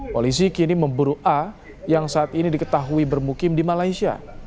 polisi kini memburu a yang saat ini diketahui bermukim di malaysia